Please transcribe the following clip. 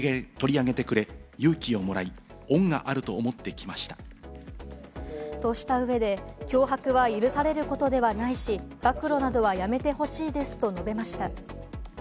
その理由は。とした上で、脅迫は許されることではないし、暴露などは、やめてほしいですと述べました。